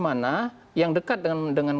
mana yang dekat dengan